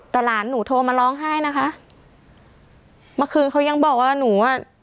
แต่หลานหนูโทรมาร้องไห้นะคะเมื่อคืนเขายังบอกว่าหนูอ่ะ